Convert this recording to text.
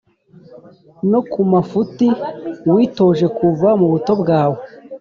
no ku mafuti witoje kuva mu buto bwawe,